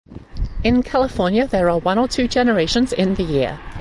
In California there are one or two generations in the year.